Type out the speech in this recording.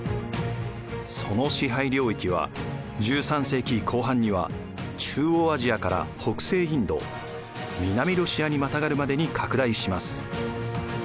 その支配領域は１３世紀後半には中央アジアから北西インド南ロシアにまたがるまでに拡大します。